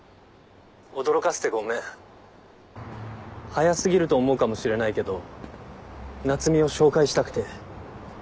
早過ぎると思うかもしれないけど夏海を紹介したくて。